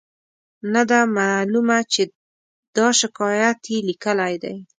نه ده معلومه چې دا شکایت یې لیکلی دی.